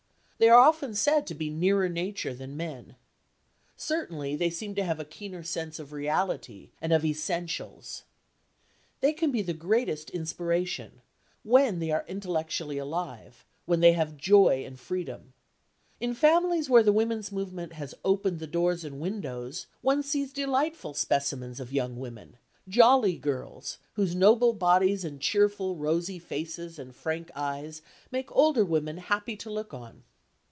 They are often said to be nearer nature than men. Certainly they seem to have a keener sense of reality and of essentials. They can be the greatest inspiration, when they are intellectually alive, when they have joy and freedom. In families where the women's movement has opened the doors and windows, one sees delightful specimens of young women: jolly girls, whose noble bodies and cheerful rosy faces and frank eyes make older women happy to look on.